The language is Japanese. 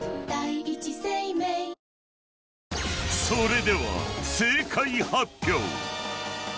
［それでは正解発表］